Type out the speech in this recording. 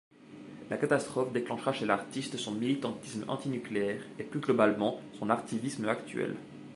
La catastrophe déclenchera chez l'artiste son militantisme antinucléaire et plus globalement son artivisme actuel.